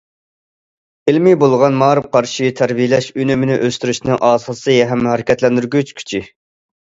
ئىلمىي بولغان مائارىپ قارىشى تەربىيەلەش ئۈنۈمىنى ئۆستۈرۈشنىڭ ئاساسى ھەم ھەرىكەتلەندۈرگۈچ كۈچى.